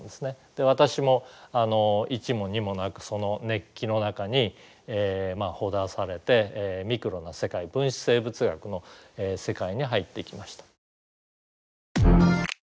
私も一も二もなくその熱気の中にほだされてミクロな世界分子生物学の世界に入っていきました。